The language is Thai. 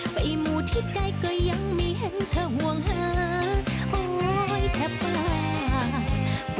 ไปหมู่ที่ใกล้ก็ยังไม่เห็นเธอห่วงหาโอ้ยแค่ปาก